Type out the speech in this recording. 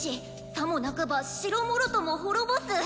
さもなくば城もろとも滅ぼす。